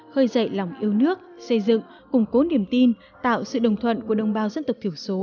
khơi dậy lòng yêu nước xây dựng củng cố niềm tin tạo sự đồng thuận của đồng bào dân tộc thiểu số